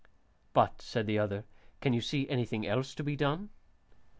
"But," said the other, "can you see anything else to be done?"